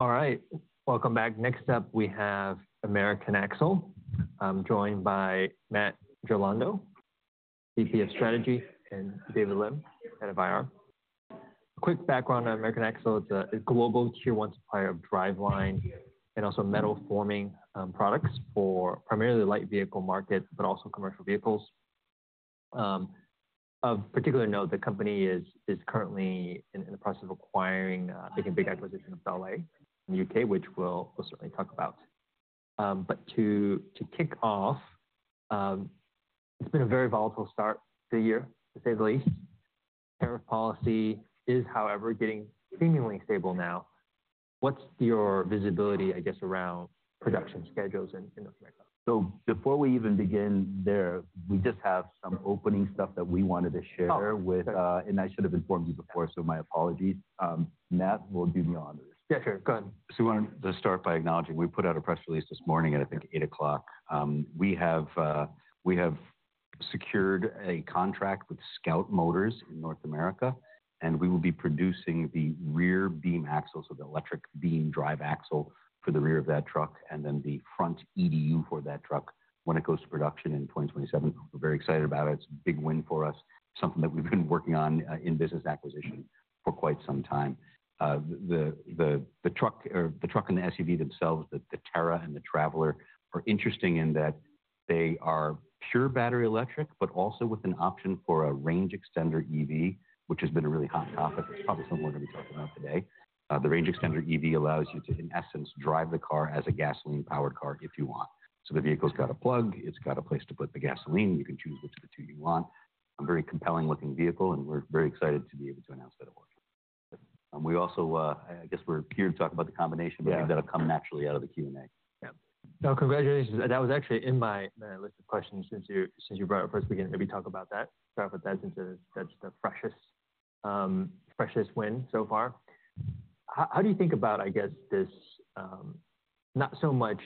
All right. Welcome back. Next up, we have American Axle, joined by Matt Girlando, Vice President of Strategy, and David Lim, Head of IR. A quick background on American Axle: it's a global tier-one supplier of driveline and also metal-forming products for primarily the light vehicle market, but also commercial vehicles. Of particular note, the company is currently in the process of acquiring, making a big acquisition of Dowlais in the U.K., which we'll certainly talk about. To kick off, it's been a very volatile start to the year, to say the least. Tariff policy is, however, getting seemingly stable now. What's your visibility, I guess, around production schedules in North America? Before we even begin there, we just have some opening stuff that we wanted to share with you, and I should have informed you before, so my apologies. Matt will do me an honor. Yeah, sure. Go ahead. We wanted to start by acknowledging we put out a press release this morning at, I think, 8:00. We have secured a contract with Scout Motors in North America, and we will be producing the rear beam axle, so the electric beam drive axle for the rear of that truck, and then the front EDU for that truck when it goes to production in 2027. We're very excited about it. It's a big win for us, something that we've been working on in business acquisition for quite some time. The truck and the SUV themselves, the Terra and the Traveler, are interesting in that they are pure battery electric, but also with an option for a range extender EV, which has been a really hot topic. It's probably something we're going to be talking about today. The range extender EV allows you to, in essence, drive the car as a gasoline-powered car if you want. The vehicle's got a plug, it's got a place to put the gasoline, you can choose which of the two you want. A very compelling-looking vehicle, and we're very excited to be able to announce that it works. We also, I guess we're here to talk about the combination, but I think that'll come naturally out of the Q&A. Yeah. No, congratulations. That was actually in my list of questions since you brought it up. Let's maybe talk about that, start with that since that's the freshest win so far. How do you think about, I guess, this not so much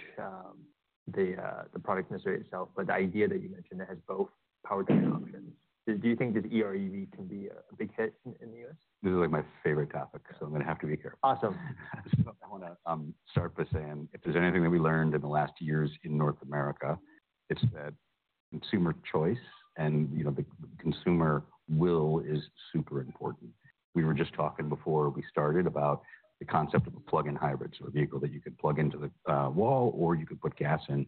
the product necessarily itself, but the idea that you mentioned that has both power drive options? Do you think this EREV can be a big hit in the U.S.? This is like my favorite topic, so I'm going to have to be careful. Awesome. I want to start by saying if there's anything that we learned in the last years in North America, it's that consumer choice and the consumer will is super important. We were just talking before we started about the concept of a plug-in hybrid, so a vehicle that you could plug into the wall or you could put gas in.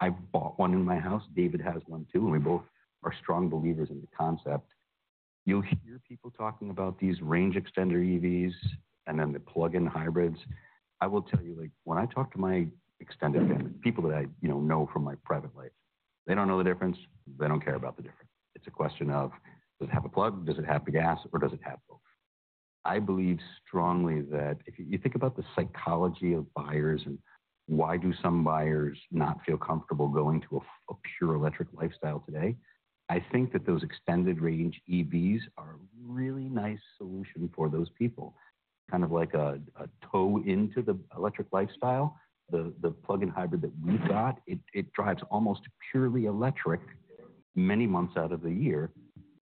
I bought one in my house. David has one too, and we both are strong believers in the concept. You'll hear people talking about these range extender EVs and then the plug-in hybrids. I will tell you, when I talk to my extended family, people that I know from my private life, they don't know the difference. They don't care about the difference. It's a question of, does it have a plug? Does it have the gas? Or does it have both? I believe strongly that if you think about the psychology of buyers and why do some buyers not feel comfortable going to a pure electric lifestyle today, I think that those extended range EVs are a really nice solution for those people, kind of like a toe into the electric lifestyle. The plug-in hybrid that we've got, it drives almost purely electric many months out of the year,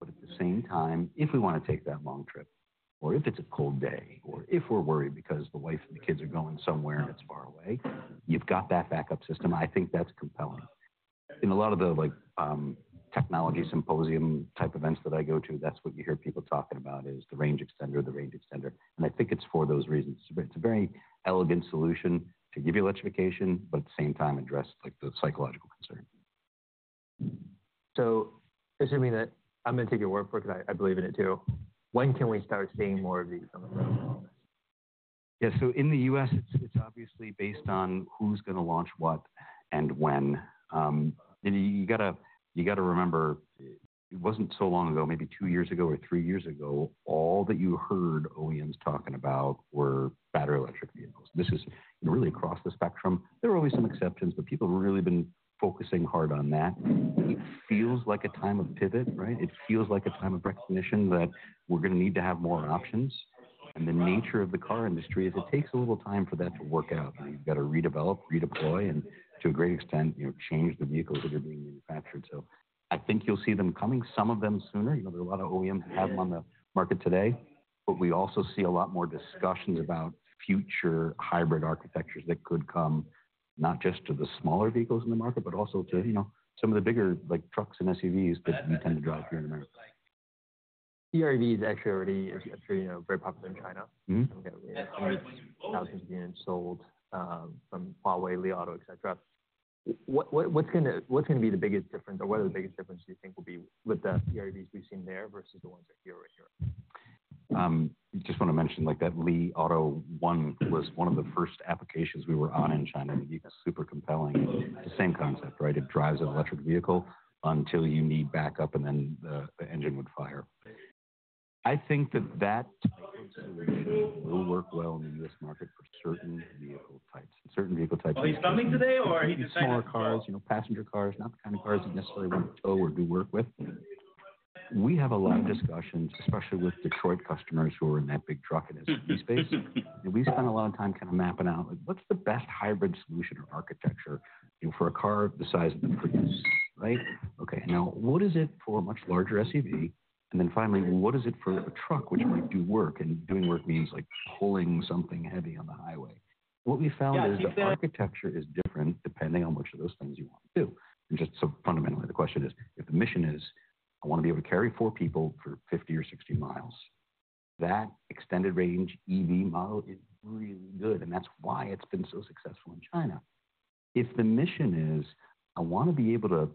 but at the same time, if we want to take that long trip or if it's a cold day or if we're worried because the wife and the kids are going somewhere and it's far away, you've got that backup system. I think that's compelling. In a lot of the technology symposium type events that I go to, that's what you hear people talking about is the range extender, the range extender. I think it's for those reasons. It's a very elegant solution to give you electrification, but at the same time address the psychological concern. Assuming that I'm going to take your word for it because I believe in it too, when can we start seeing more of these? Yeah. In the U.S., it's obviously based on who's going to launch what and when. You got to remember, it wasn't so long ago, maybe two years ago or three years ago, all that you heard OEMs talking about were battery electric vehicles. This is really across the spectrum. There are always some exceptions, but people have really been focusing hard on that. It feels like a time of pivot, right? It feels like a time of recognition that we're going to need to have more options. The nature of the car industry is it takes a little time for that to work out. You have to redevelop, redeploy, and to a great extent, change the vehicles that are being manufactured. I think you'll see them coming, some of them sooner. There are a lot of OEMs that have them on the market today. We also see a lot more discussions about future hybrid architectures that could come not just to the smaller vehicles in the market, but also to some of the bigger trucks and SUVs that you tend to drive here in America. EREVs actually are already very popular in China. We've got thousands of units sold from Huawei, Li Auto, etc. What's going to be the biggest difference, or what are the biggest differences you think will be with the EREVs we've seen there versus the ones that are here or in Europe? I just want to mention that Li Auto One was one of the first applications we were on in China. Super compelling. It's the same concept, right? It drives an electric vehicle until you need backup, and then the engine would fire. I think that that type of solution will work well in the U.S. market for certain vehicle types. Certain vehicle types. Are you stunning today or are you just saying? Smaller cars, passenger cars, not the kind of cars you necessarily want to tow or do work with. We have a lot of discussions, especially with Detroit customers who are in that big truck and SUV space. We spend a lot of time kind of mapping out what's the best hybrid solution or architecture for a car the size of the Prius, right? Okay. Now, what is it for a much larger SUV? Finally, what is it for a truck which might do work? Doing work means pulling something heavy on the highway. What we found is the architecture is different depending on which of those things you want to do. Just so fundamentally, the question is, if the mission is, I want to be able to carry four people for 50 or 60 miles, that extended range EV model is really good. That is why it has been so successful in China. If the mission is, I want to be able to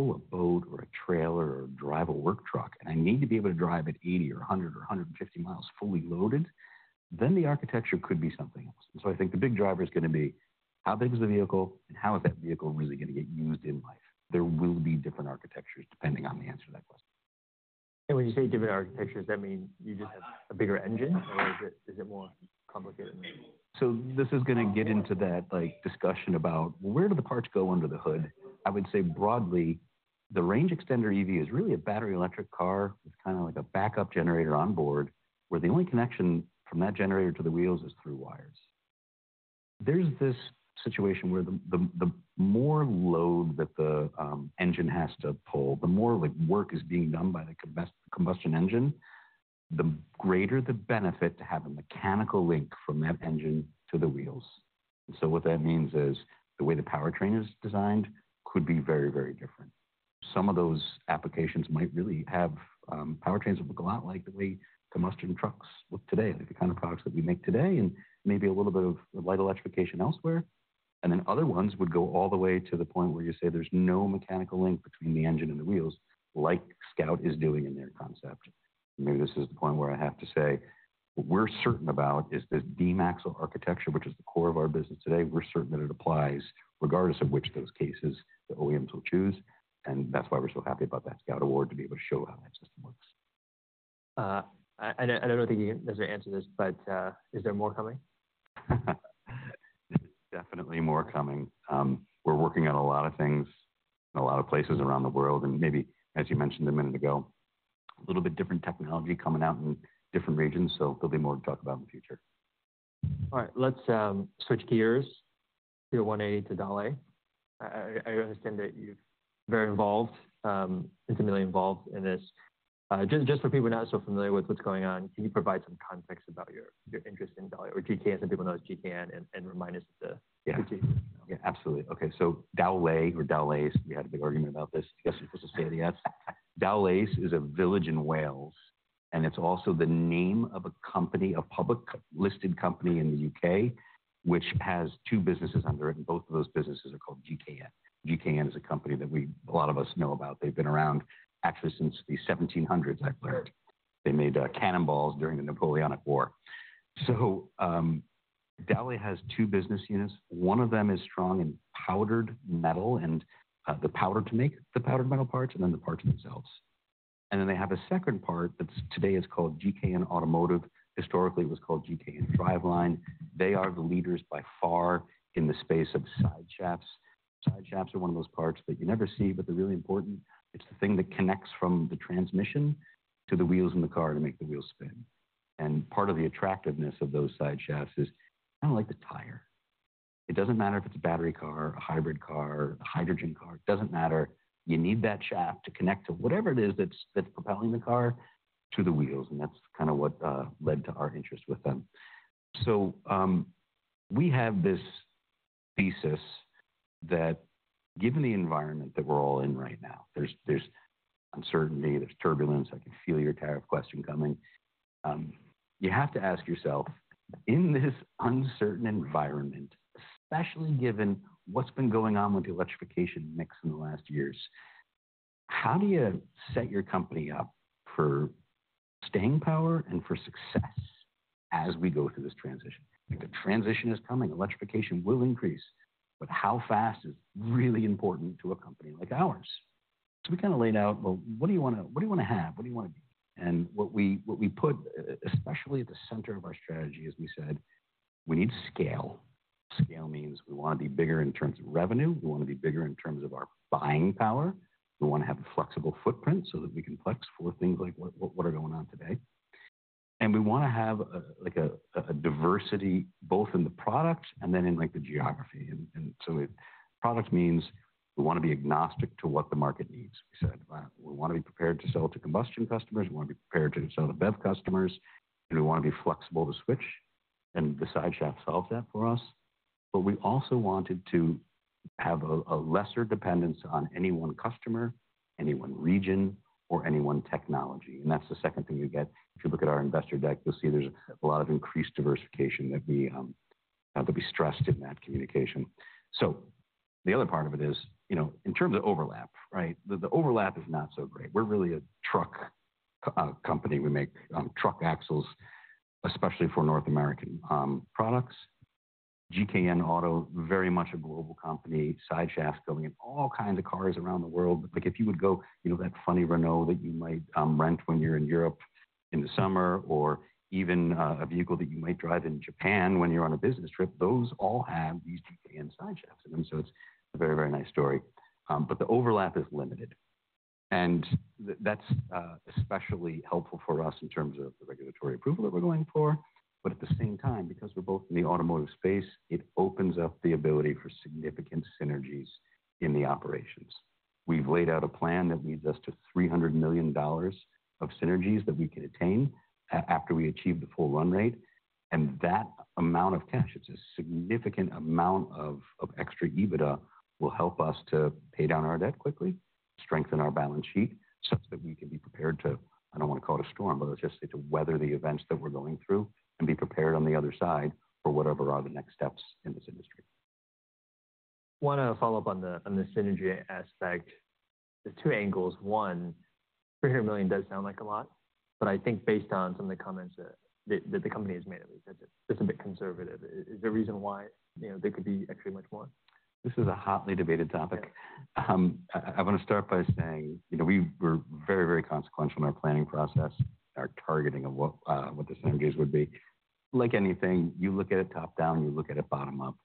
pull a boat or a trailer or drive a work truck, and I need to be able to drive at 80 or 100 or 150 miles fully loaded, then the architecture could be something else. I think the big driver is going to be how big is the vehicle and how is that vehicle really going to get used in life. There will be different architectures depending on the answer to that question. When you say different architectures, does that mean you just have a bigger engine or is it more complicated? This is going to get into that discussion about, well, where do the parts go under the hood? I would say broadly, the range extender EV is really a battery electric car with kind of like a backup generator on board where the only connection from that generator to the wheels is through wires. There's this situation where the more load that the engine has to pull, the more work is being done by the combustion engine, the greater the benefit to have a mechanical link from that engine to the wheels. What that means is the way the powertrain is designed could be very, very different. Some of those applications might really have powertrains that look a lot like the way combustion trucks look today, the kind of products that we make today and maybe a little bit of light electrification elsewhere. Other ones would go all the way to the point where you say there's no mechanical link between the engine and the wheels, like Scout is doing in their concept. Maybe this is the point where I have to say what we're certain about is this D-MAX architecture, which is the core of our business today. We're certain that it applies regardless of which of those cases the OEMs will choose. That's why we're so happy about that Scout award to be able to show how that system works. I don't know if you can necessarily answer this, but is there more coming? There's definitely more coming. We're working on a lot of things in a lot of places around the world. Maybe, as you mentioned a minute ago, a little bit different technology coming out in different regions. There'll be more to talk about in the future. All right. Let's switch gears to 180 to Dowlais. I understand that you're very involved, intimately involved in this. Just for people who are not so familiar with what's going on, can you provide some context about your interest in Dowlai or GKN? Some people know as GKN and remind us of the GKN. Yeah, absolutely. Okay. So Dowlais, we had a big argument about this. I guess I'm supposed to say it again. Dowlais is a village in Wales, and it's also the name of a public listed company in the U.K., which has two businesses under it, and both of those businesses are called GKN. GKN is a company that a lot of us know about. They've been around actually since the 1700s, I've learned. They made cannonballs during the Napoleonic War. Dowlais has two business units. One of them is strong in powdered metal and the powder to make the powdered metal parts and then the parts themselves. And then they have a second part that today is called GKN Automotive. Historically, it was called GKN Driveline. They are the leaders by far in the space of side shafts. Side shafts are one of those parts that you never see, but they're really important. It's the thing that connects from the transmission to the wheels in the car to make the wheels spin. Part of the attractiveness of those side shafts is kind of like the tire. It doesn't matter if it's a battery car, a hybrid car, a hydrogen car. It doesn't matter. You need that shaft to connect to whatever it is that's propelling the car to the wheels. That's kind of what led to our interest with them. We have this thesis that given the environment that we're all in right now, there's uncertainty, there's turbulence. I can feel your tariff question coming. You have to ask yourself, in this uncertain environment, especially given what's been going on with the electrification mix in the last years, how do you set your company up for staying power and for success as we go through this transition? The transition is coming. Electrification will increase, but how fast is really important to a company like ours. We kind of laid out, well, what do you want to have? What do you want to be? What we put especially at the center of our strategy, as we said, we need scale. Scale means we want to be bigger in terms of revenue. We want to be bigger in terms of our buying power. We want to have a flexible footprint so that we can flex for things like what are going on today. We want to have a diversity both in the product and then in the geography. Product means we want to be agnostic to what the market needs. We said we want to be prepared to sell to combustion customers. We want to be prepared to sell to BEV customers. We want to be flexible to switch. The side shaft solves that for us. We also wanted to have a lesser dependence on any one customer, any one region, or any one technology. That is the second thing you get. If you look at our investor deck, you will see there is a lot of increased diversification that we stressed in that communication. The other part of it is in terms of overlap, right? The overlap is not so great. We are really a truck company. We make truck axles, especially for North American products. GKN Auto, very much a global company, side shafts going in all kinds of cars around the world. If you would go that funny Renault that you might rent when you're in Europe in the summer or even a vehicle that you might drive in Japan when you're on a business trip, those all have these GKN side shafts. It is a very, very nice story. The overlap is limited. That is especially helpful for us in terms of the regulatory approval that we're going for. At the same time, because we're both in the automotive space, it opens up the ability for significant synergies in the operations. We've laid out a plan that leads us to $300 million of synergies that we can attain after we achieve the full run rate. That amount of cash, it's a significant amount of extra EBITDA, will help us to pay down our debt quickly, strengthen our balance sheet so that we can be prepared to, I don't want to call it a storm, but let's just say to weather the events that we're going through and be prepared on the other side for whatever are the next steps in this industry. I want to follow up on the synergy aspect. There's two angles. One, $300 million does sound like a lot. But I think based on some of the comments that the company has made, at least, it's a bit conservative. Is there a reason why there could be actually much more? This is a hotly debated topic. I want to start by saying we were very, very consequential in our planning process, our targeting of what the synergies would be. Like anything, you look at it top down, you look at it bottom up.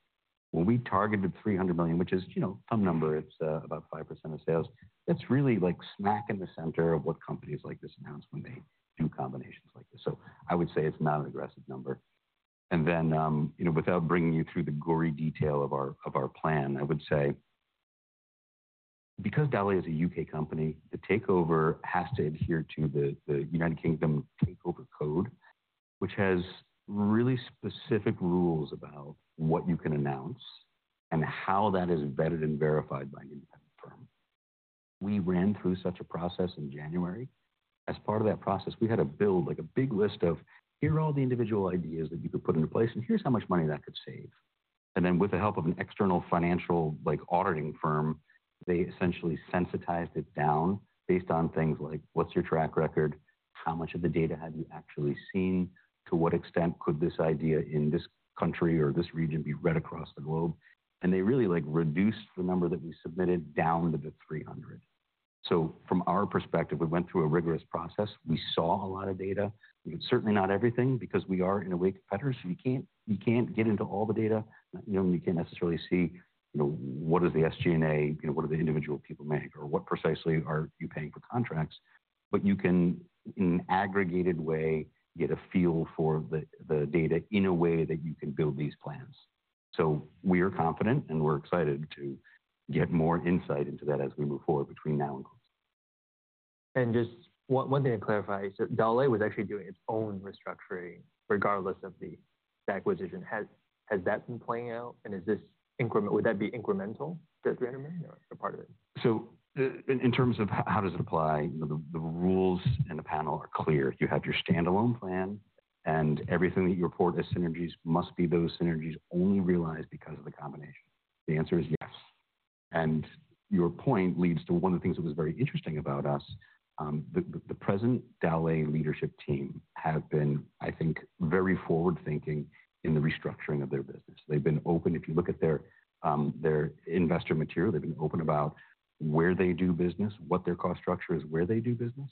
When we targeted $300 million, which is some number, it's about 5% of sales, that's really smack in the center of what companies like this announce when they do combinations like this. I would say it's not an aggressive number. Without bringing you through the gory detail of our plan, I would say because Dowlais is a U.K. company, the takeover has to adhere to the United Kingdom takeover code, which has really specific rules about what you can announce and how that is vetted and verified by an independent firm. We ran through such a process in January. As part of that process, we had to build a big list of, here are all the individual ideas that you could put into place, and here's how much money that could save. Then with the help of an external financial auditing firm, they essentially sensitized it down based on things like, what's your track record? How much of the data have you actually seen? To what extent could this idea in this country or this region be read across the globe? They really reduced the number that we submitted down to the 300. From our perspective, we went through a rigorous process. We saw a lot of data. It's certainly not everything because we are in a way competitor, so you can't get into all the data. You can't necessarily see what is the SG&A, what do the individual people make, or what precisely are you paying for contracts? You can, in an aggregated way, get a feel for the data in a way that you can build these plans. We are confident, and we're excited to get more insight into that as we move forward between now and close. Just one thing to clarify is that Dowlais was actually doing its own restructuring regardless of the acquisition. Has that been playing out? Would that be incremental to $300 million or part of it? In terms of how does it apply, the rules and the panel are clear. You have your standalone plan, and everything that you report as synergies must be those synergies only realized because of the combination. The answer is yes. Your point leads to one of the things that was very interesting about us. The present Dowlais leadership team have been, I think, very forward-thinking in the restructuring of their business. They have been open. If you look at their investor material, they have been open about where they do business, what their cost structure is, where they do business,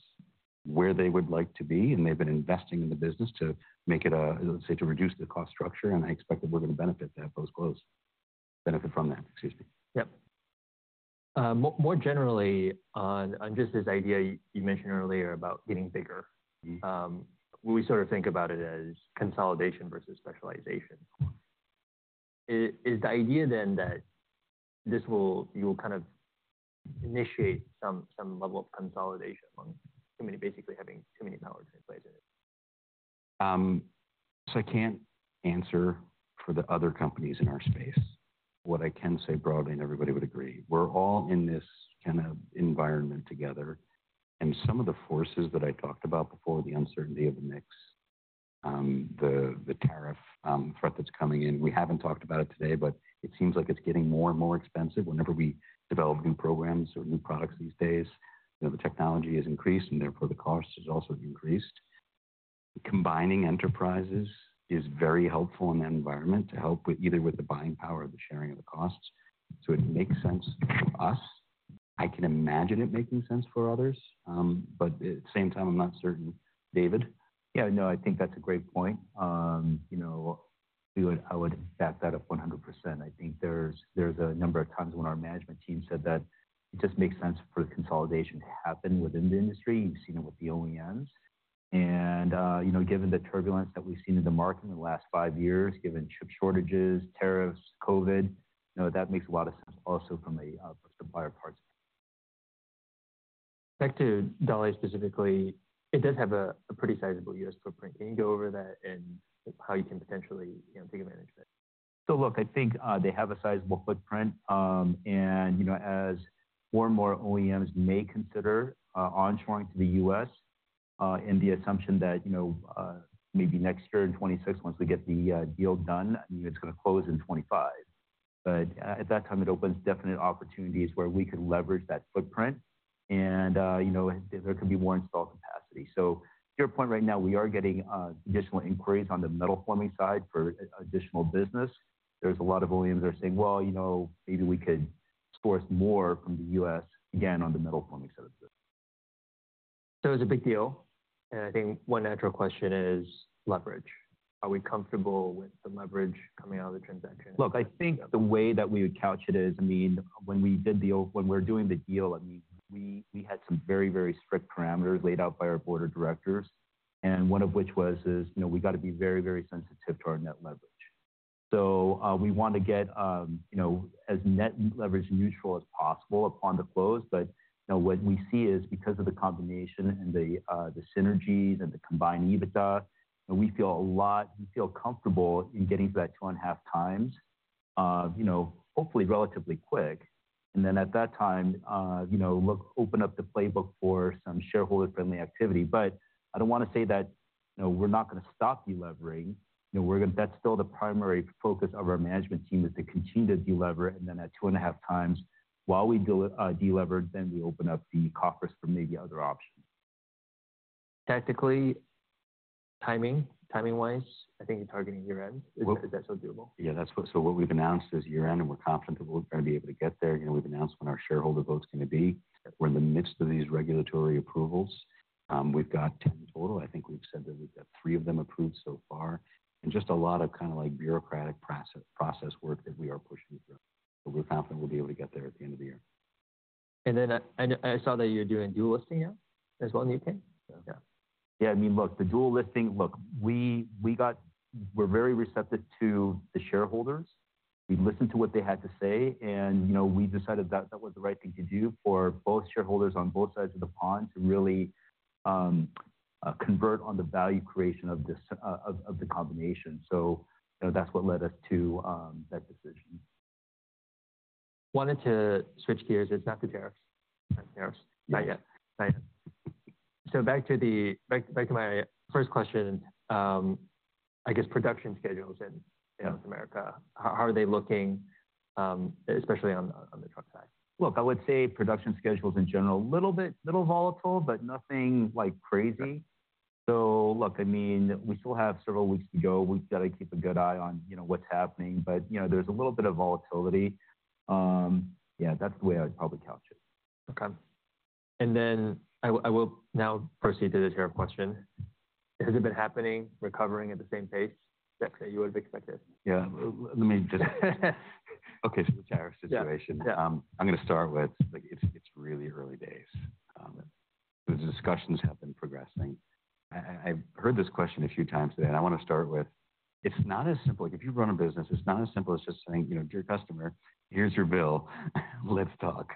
where they would like to be. They have been investing in the business to make it, let's say, to reduce the cost structure. I expect that we are going to benefit from that post-close, benefit from that, excuse me. Yep. More generally, on just this idea you mentioned earlier about getting bigger, we sort of think about it as consolidation versus specialization. Is the idea then that you will kind of initiate some level of consolidation among too many, basically having too many power to replace it? I can't answer for the other companies in our space. What I can say broadly, and everybody would agree, we're all in this kind of environment together. Some of the forces that I talked about before, the uncertainty of the mix, the tariff threat that's coming in, we haven't talked about it today, but it seems like it's getting more and more expensive whenever we develop new programs or new products these days. The technology has increased, and therefore the cost has also increased. Combining enterprises is very helpful in that environment to help either with the buying power or the sharing of the costs. It makes sense for us. I can imagine it making sense for others, but at the same time, I'm not certain. David? Yeah, no, I think that's a great point. I would back that up 100%. I think there's a number of times when our management team said that it just makes sense for the consolidation to happen within the industry. You've seen it with the OEMs. Given the turbulence that we've seen in the market in the last five years, given chip shortages, tariffs, COVID, that makes a lot of sense also from a supplier parts perspective. Back to Dowlais specifically, it does have a pretty sizable U.S. footprint. Can you go over that and how you can potentially take advantage of it? Look, I think they have a sizable footprint. As more and more OEMs may consider onshoring to the U.S. in the assumption that maybe next year in 2026, once we get the deal done, it's going to close in 2025. At that time, it opens definite opportunities where we could leverage that footprint, and there could be more installed capacity. To your point right now, we are getting additional inquiries on the metal forming side for additional business. There are a lot of OEMs that are saying, well, maybe we could source more from the U.S. again on the metal forming side of the business. It's a big deal. I think one natural question is leverage. Are we comfortable with the leverage coming out of the transaction? Look, I think the way that we would couch it is, I mean, when we did the, when we're doing the deal, I mean, we had some very, very strict parameters laid out by our board of directors, and one of which was we got to be very, very sensitive to our net leverage. We want to get as net leverage neutral as possible upon the close. What we see is because of the combination and the synergies and the combined EBITDA, we feel a lot, we feel comfortable in getting to that two and a half times, hopefully relatively quick. At that time, look, open up the playbook for some shareholder-friendly activity. I don't want to say that we're not going to stop delivering. That's still the primary focus of our management team is to continue to deliver. At two and a half times, while we deliver, then we open up the coffers for maybe other options. Technically, timing-wise, I think you're targeting year-end. Is that still doable? Yeah, so what we've announced is year-end, and we're confident that we're going to be able to get there. We've announced when our shareholder vote's going to be. We're in the midst of these regulatory approvals. We've got 10 total. I think we've said that we've got three of them approved so far. A lot of kind of bureaucratic process work that we are pushing through. We're confident we'll be able to get there at the end of the year. I saw that you're doing dual listing now as well in the U.K.. Yeah. Yeah, I mean, look, the dual listing, look, we're very receptive to the shareholders. We listened to what they had to say, and we decided that that was the right thing to do for both shareholders on both sides of the pond to really convert on the value creation of the combination. That is what led us to that decision. Wanted to switch gears. It's not the tariffs. Not yet. Not yet. Back to my first question, I guess, production schedules in North America. How are they looking, especially on the truck side? Look, I would say production schedules in general, a little volatile, but nothing crazy. I mean, we still have several weeks to go. We've got to keep a good eye on what's happening. There's a little bit of volatility. Yeah, that's the way I'd probably couch it. Okay. I will now proceed to the share question. Has it been happening, recovering at the same pace that you would have expected? Yeah. Let me just, okay, so the tariff situation. I'm going to start with it's really early days. The discussions have been progressing. I've heard this question a few times today, and I want to start with it's not as simple. If you run a business, it's not as simple as just saying, "Dear customer, here's your bill. Let's talk."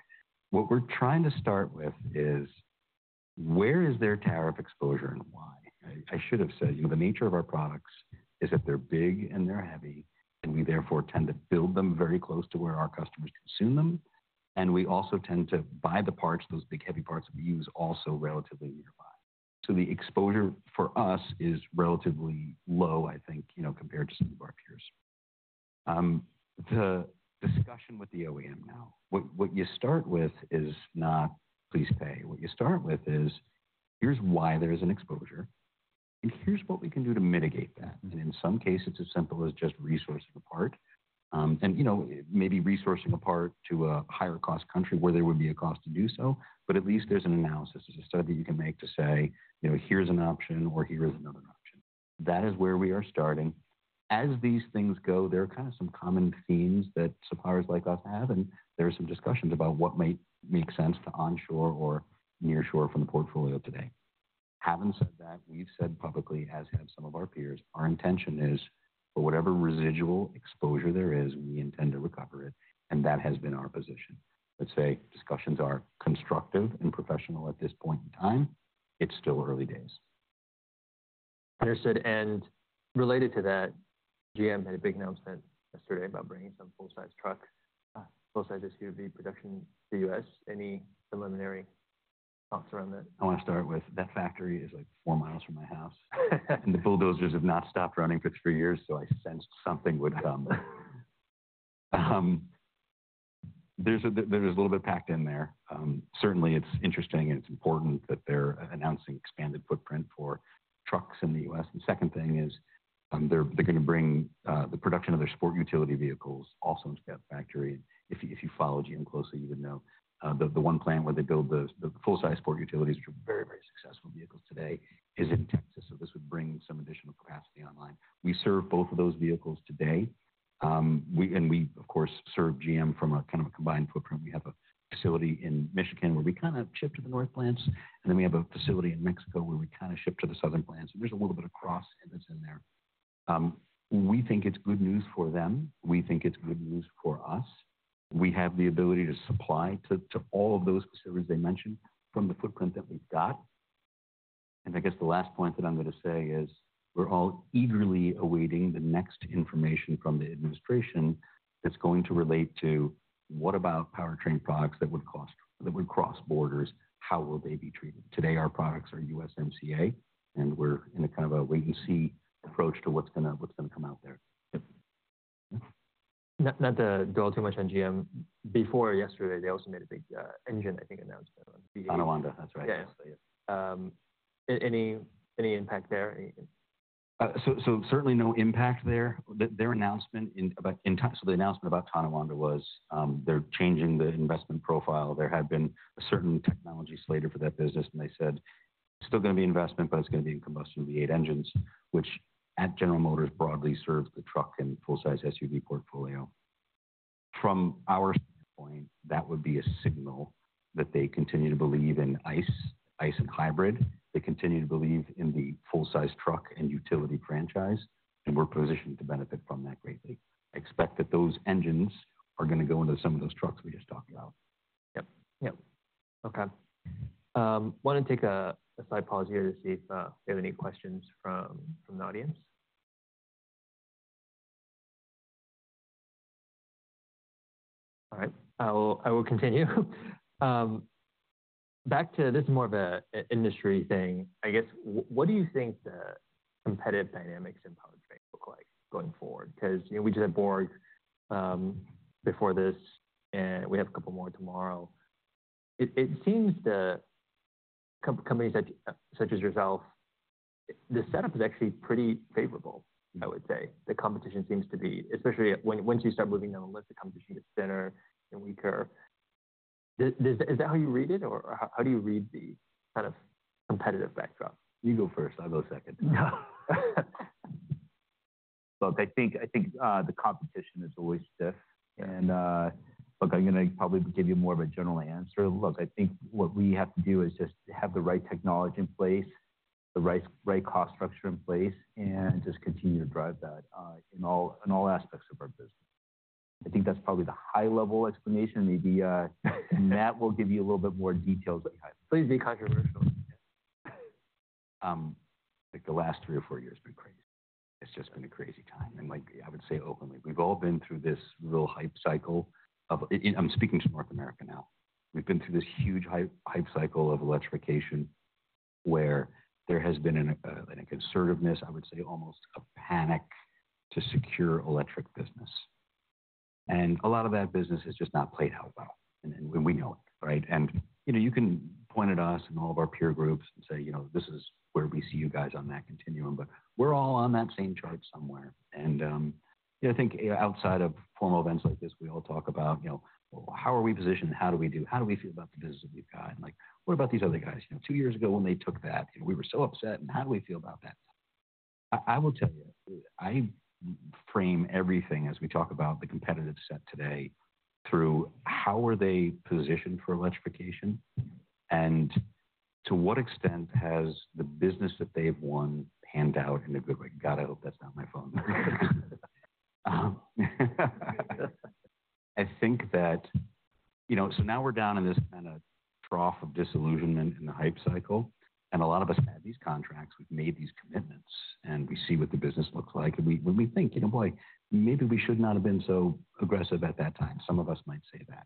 What we're trying to start with is where is their tariff exposure and why? I should have said the nature of our products is that they're big and they're heavy, and we therefore tend to build them very close to where our customers consume them. We also tend to buy the parts, those big heavy parts that we use, also relatively nearby. The exposure for us is relatively low, I think, compared to some of our peers. The discussion with the OEM now, what you start with is not, "Please pay." What you start with is, "Here's why there is an exposure, and here's what we can do to mitigate that." In some cases, it's as simple as just resourcing a part. Maybe resourcing a part to a higher-cost country where there would be a cost to do so. At least there's an analysis. There's a study that you can make to say, "Here's an option," or, "Here is another option." That is where we are starting. As these things go, there are kind of some common themes that suppliers like us have, and there are some discussions about what might make sense to onshore or nearshore from the portfolio today. Having said that, we've said publicly, as have some of our peers, our intention is for whatever residual exposure there is, we intend to recover it. That has been our position. Let's say discussions are constructive and professional at this point in time. It's still early days. Understood. Related to that, GM had a big announcement yesterday about bringing some full-size trucks, full-size SUV production to the U.S.. Any preliminary thoughts around that? I want to start with that factory is like four miles from my house, and the bulldozers have not stopped running for three years, so I sensed something would come. There's a little bit packed in there. Certainly, it's interesting, and it's important that they're announcing expanded footprint for trucks in the U.S.. The second thing is they're going to bring the production of their sport utility vehicles also into that factory. If you follow GM closely, you would know the one plant where they build the full-size sport utilities, which are very, very successful vehicles today, is in Texas. This would bring some additional capacity online. We serve both of those vehicles today. We, of course, serve GM from a kind of a combined footprint. We have a facility in Michigan where we kind of ship to the north plants, and then we have a facility in Mexico where we kind of ship to the southern plants. There is a little bit of cross that's in there. We think it's good news for them. We think it's good news for us. We have the ability to supply to all of those facilities they mentioned from the footprint that we've got. I guess the last point that I'm going to say is we're all eagerly awaiting the next information from the administration that's going to relate to what about powertrain products that would cross borders? How will they be treated? Today, our products are USMCA, and we're in a kind of a wait-and-see approach to what's going to come out there. Not to dwell too much on GM, before yesterday, they also made a big engine, I think, announcement. Tonawanda, that's right. Yeah, yeah. Any impact there? Certainly no impact there. Their announcement about Tonawanda was they're changing the investment profile. There had been a certain technology slater for that business, and they said, "It's still going to be investment, but it's going to be in combustion V8 engines," which at General Motors broadly serves the truck and full-size SUV portfolio. From our standpoint, that would be a signal that they continue to believe in ICE, ICE and hybrid. They continue to believe in the full-size truck and utility franchise, and we're positioned to benefit from that greatly. I expect that those engines are going to go into some of those trucks we just talked about. Yep. Yep. Okay. Want to take a side pause here to see if we have any questions from the audience. All right. I will continue. Back to this is more of an industry thing. I guess, what do you think the competitive dynamics in powertrain look like going forward? Because we just had Borg before this, and we have a couple more tomorrow. It seems that companies such as yourself, the setup is actually pretty favorable, I would say. The competition seems to be, especially once you start moving down the list, the competition gets thinner and weaker. Is that how you read it, or how do you read the kind of competitive backdrop? You go first. I'll go second. No. Look, I think the competition is always stiff. I think I'm going to probably give you more of a general answer. I think what we have to do is just have the right technology in place, the right cost structure in place, and just continue to drive that in all aspects of our business. I think that's probably the high-level explanation. Maybe Matt will give you a little bit more details behind. Please be controversial. I think the last three or four years have been crazy. It's just been a crazy time. I would say openly, we've all been through this real hype cycle of, I'm speaking to North America now, we've been through this huge hype cycle of electrification where there has been a concertedness, I would say almost a panic to secure electric business. A lot of that business has just not played out well, and we know it, right? You can point at us and all of our peer groups and say, "This is where we see you guys on that continuum." We're all on that same chart somewhere. I think outside of formal events like this, we all talk about how are we positioned? How do we do? How do we feel about the business that we've got? What about these other guys? Two years ago when they took that, we were so upset. How do we feel about that? I will tell you, I frame everything as we talk about the competitive set today through how are they positioned for electrification and to what extent has the business that they have won panned out in a good way. God, I hope that is not my phone. I think that now we are down in this kind of trough of disillusionment in the hype cycle. A lot of us had these contracts. We have made these commitments, and we see what the business looks like. We think, "Boy, maybe we should not have been so aggressive at that time." Some of us might say that.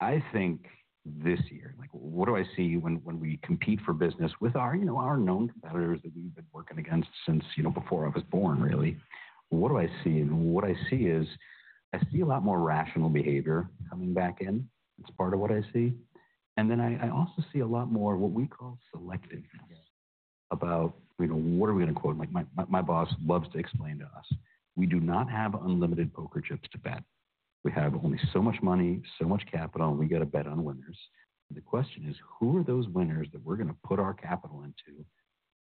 I think this year, what do I see when we compete for business with our known competitors that we have been working against since before I was born, really? What do I see? What I see is I see a lot more rational behavior coming back in. That is part of what I see. I also see a lot more of what we call selectiveness about what are we going to quote. My boss loves to explain to us, "We do not have unlimited poker chips to bet. We have only so much money, so much capital, and we got to bet on winners." The question is, who are those winners that we are going to put our capital into?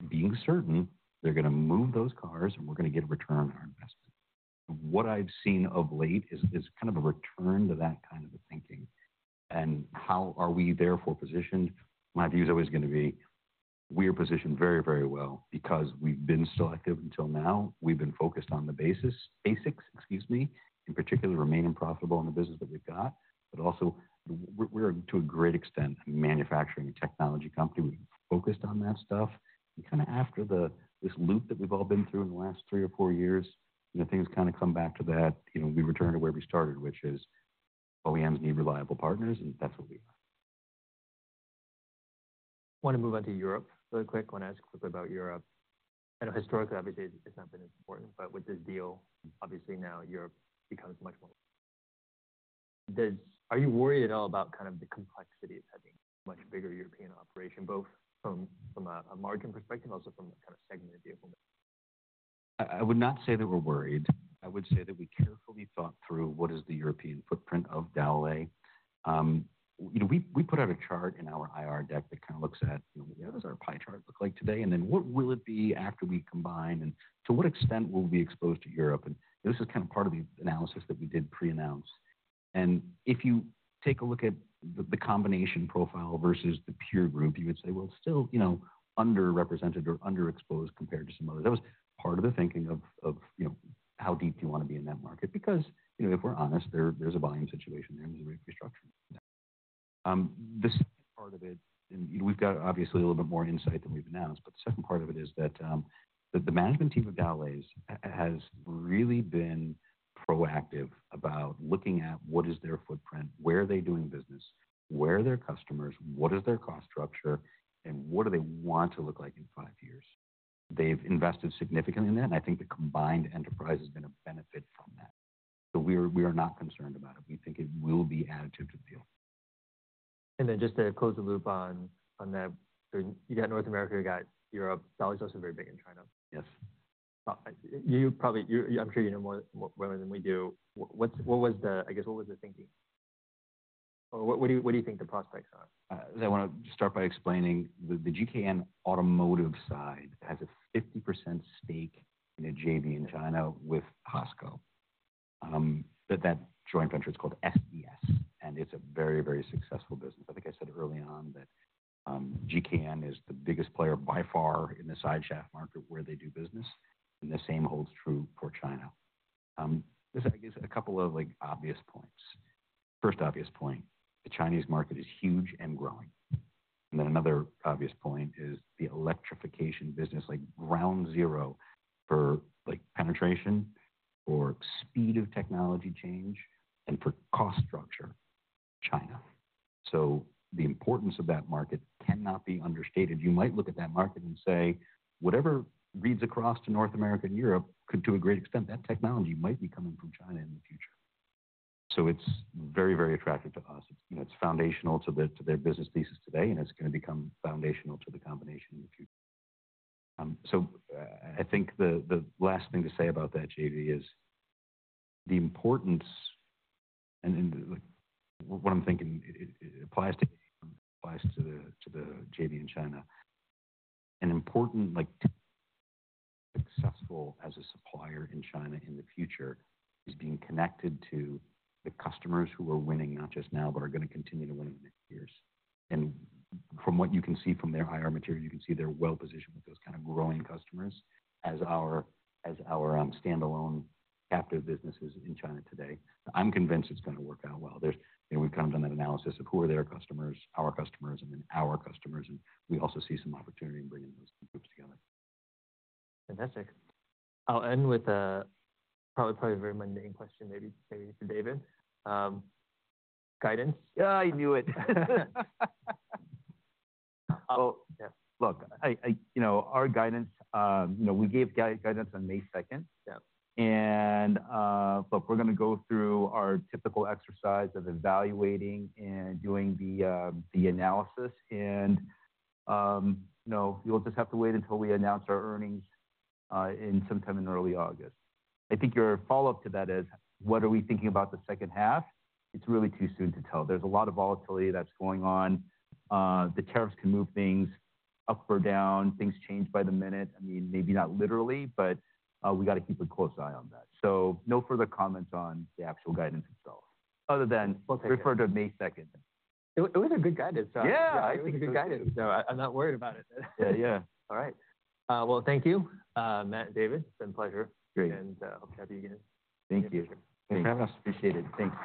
Being certain they are going to move those cars, and we are going to get a return on our investment. What I have seen of late is kind of a return to that kind of thinking. How are we therefore positioned? My view is always going to be we are positioned very, very well because we have been selective until now. We've been focused on the basics, excuse me, in particular, remain profitable in the business that we've got. Also, we're to a great extent a manufacturing technology company. We've focused on that stuff. Kind of after this loop that we've all been through in the last three or four years, things kind of come back to that. We return to where we started, which is OEMs need reliable partners, and that's what we are. Want to move on to Europe really quick? Want to ask quickly about Europe? I know historically, obviously, it's not been as important, but with this deal, obviously, now Europe becomes much more important. Are you worried at all about kind of the complexity of having a much bigger European operation, both from a margin perspective and also from a kind of segment of vehicle? I would not say that we're worried. I would say that we carefully thought through what is the European footprint of Dowlais. We put out a chart in our IR deck that kind of looks at, "What does our pie chart look like today?" and then, "What will it be after we combine?" and, "To what extent will we be exposed to Europe?" This is kind of part of the analysis that we did pre-announce. If you take a look at the combination profile versus the peer group, you would say, "Still underrepresented or underexposed compared to some others." That was part of the thinking of how deep do you want to be in that market? Because if we're honest, there's a buying situation there and there's a restructuring. The second part of it, and we've got obviously a little bit more insight than we've announced, but the second part of it is that the management team of Dowlais has really been proactive about looking at what is their footprint, where are they doing business, where are their customers, what is their cost structure, and what do they want to look like in five years? They've invested significantly in that, and I think the combined enterprise has been a benefit from that. We are not concerned about it. We think it will be additive to the deal. And then just to close the loop on that, you got North America, you got Europe. Dowlais is also very big in China. Yes. I'm sure you know more than we do. What was the, I guess, what was the thinking? Or what do you think the prospects are? I want to start by explaining the GKN Automotive side has a 50% stake in a JV in China with HASCO. That joint venture is called SES, and it's a very, very successful business. I think I said early on that GKN is the biggest player by far in the side shaft market where they do business, and the same holds true for China. There's, I guess, a couple of obvious points. First obvious point, the Chinese market is huge and growing. Another obvious point is the electrification business, like ground zero for penetration or speed of technology change and for cost structure for China. The importance of that market cannot be understated. You might look at that market and say, "Whatever reads across to North America and Europe, to a great extent, that technology might be coming from China in the future." It is very, very attractive to us. It is foundational to their business thesis today, and it is going to become foundational to the combination in the future. I think the last thing to say about that JV is the importance, and what I am thinking applies to the JV in China. An important successful as a supplier in China in the future is being connected to the customers who are winning, not just now, but are going to continue to win in the years. From what you can see from their IR material, you can see they are well positioned with those kind of growing customers as our standalone captive businesses in China today. I'm convinced it's going to work out well. We've kind of done that analysis of who are their customers, our customers, and then our customers. We also see some opportunity in bringing those groups together. Fantastic. I'll end with a probably very mundane question, maybe to David. Guidance? Yeah, I knew it. Oh, look, our guidance, we gave guidance on May 2nd. Look, we're going to go through our typical exercise of evaluating and doing the analysis. You'll just have to wait until we announce our earnings in some time in early August. I think your follow-up to that is, what are we thinking about the second half? It's really too soon to tell. There's a lot of volatility that's going on. The tariffs can move things up or down. Things change by the minute. I mean, maybe not literally, but we got to keep a close eye on that. No further comments on the actual guidance itself, other than refer to May 2nd. It was a good guidance. Yeah. Yeah, I think a good guidance. I'm not worried about it. Yeah, yeah. All right. Thank you, Matt and David. It's been a pleasure. Great. Hope to have you again. Thank you. Thank you very much. Thanks. Appreciate it. Thanks.